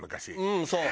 うんそう。